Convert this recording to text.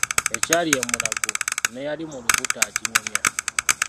"Ekyali e Mulago, n'eyali mu lubuto akinyumya."